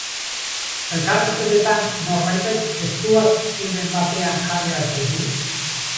Elkarrizketetan norbaitek estuasunen batean jarri al zaitu?